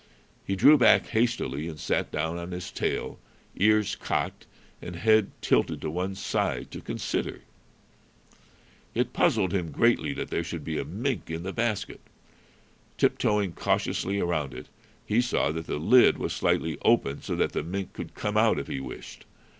He drew back hastily and sat down on his tail, ears cocked and head tilted to one side, to consider. It puzzled him greatly that there should be a mink in the basket. Tip toeing cautiously around it, he saw that the lid was slightly open, so that the mink could come out if he wished.